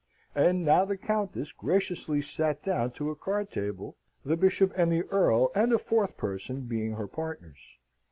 And now the Countess graciously sate down to a card table, the Bishop and the Earl and a fourth person being her partners.